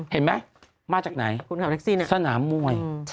เห็นไหมมาจากไหนสนามวย